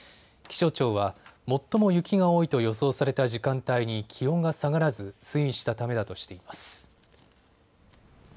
気象庁は最も雪が多いと予想された時間帯に気温が下がらず推移したためだとしています。